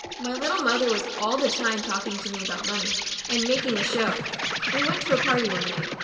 My little mother was all the time talking to me about money, and making a show. We went to a party one night.